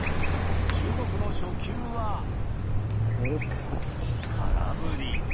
注目の初球は、空振り。